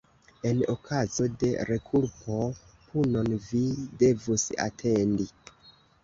En okazo de rekulpo, punon vi devus atendi.